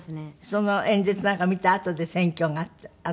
その演説なんかを見たあとで選挙があったって？